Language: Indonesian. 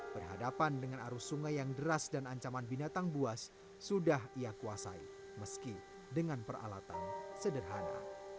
berhadapan dengan arus sungai yang deras dan ancaman binatang buas sudah ia kuasai meski dengan peralatan sederhana